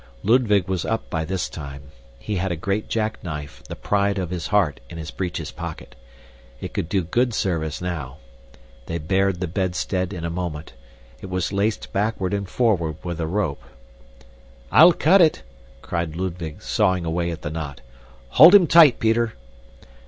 Ludwig was up by this time. He had a great jackknife, the pride of his heart, in his breeches pocket. It could do good service now. They bared the bedstead in a moment. It was laced backward and forward with a rope. "I'll cut it," cried Ludwig, sawing away at the knot. "Hold him tight, Peter!"